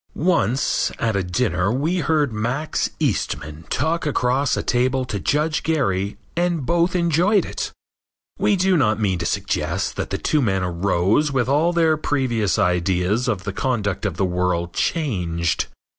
Once, at a dinner we heard Max Eastman talk across a table to Judge Gary and both enjoyed it. We do not mean to suggest that the two men arose with all their previous ideas of the conduct of the world changed.